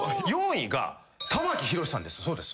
４位が玉木宏さんです。